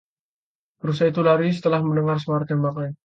Rusa itu lari setelah mendengar suara tembakan.